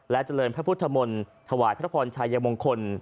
เจริญพระพุทธมนต์ถวายพระพรชัยมงคล